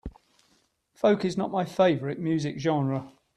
Folk is not my favorite music genre.